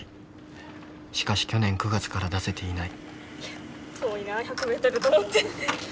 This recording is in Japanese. しかし去年９月から出せていない。